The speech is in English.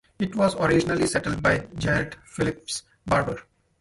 It was originally settled by Jared Phelps Barber.